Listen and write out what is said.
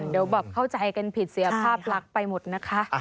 เดี๋ยวแบบเข้าใจกันผิดเสียภาพลักษณ์ไปหมดนะคะ